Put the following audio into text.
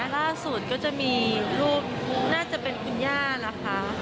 ล่าสุดก็จะมีรูปน่าจะเป็นคุณย่าล่ะคะ